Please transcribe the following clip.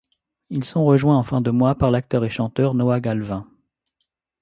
Ils sont rejoint en fin de mois par l'acteur et chanteur Noah Galvin.